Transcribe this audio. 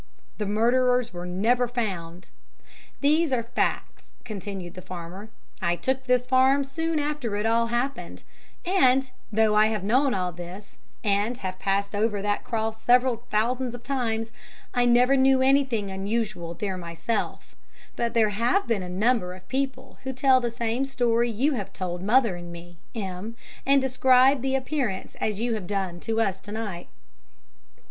The murderers were never found. These are facts," continued the farmer. "I took this farm soon after it all happened, and, though I have known all this, and have passed over that cross several thousands of times, I never knew anything unusual there myself, but there have been a number of people who tell the same story you have told mother and me, M , and describe the appearance as you have done to us to night."'"